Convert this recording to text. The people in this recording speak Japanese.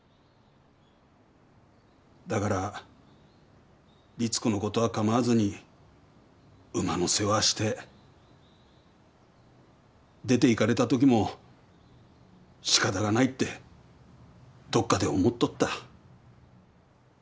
だから律子のことは構わずに馬の世話して出ていかれたときもしかたがないってどっかで思っとった。